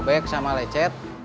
banyak yang sobek sama lecet